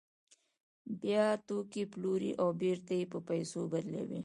بیا توکي پلوري او بېرته یې په پیسو بدلوي